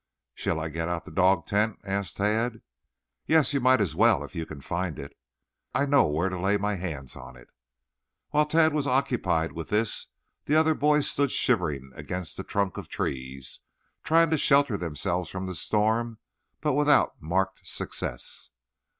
"Shall I get out the dog tent?" asked Tad. "Yes, you might as well, if you can find it." "I know where to lay my hands on it." While Tad was occupied with this the other boys stood shivering against the trunks of trees, trying to shelter themselves from the storm, but without marked success.